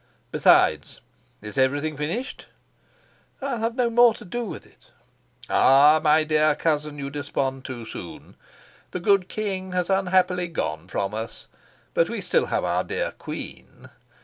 Besides, is everything finished?" "I'll have no more to do with it." "Ah, my dear cousin, you despond too soon. The good king has unhappily gone from us, but we still have our dear queen.